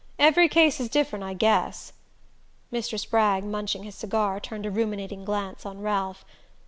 Every case is different, I guess." Mr. Spragg, munching his cigar, turned a ruminating glance on Ralph.